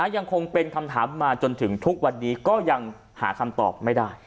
ยังคงเป็นคำถามมาจนถึงทุกวันนี้ก็ยังหาคำตอบไม่ได้